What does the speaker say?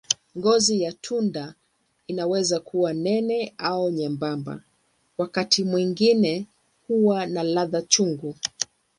Ngozi ya tunda inaweza kuwa nene au nyembamba, wakati mwingine huwa na ladha chungu.